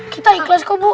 kita ikhlas kok bu